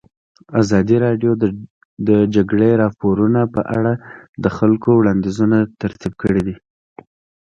ازادي راډیو د د جګړې راپورونه په اړه د خلکو وړاندیزونه ترتیب کړي.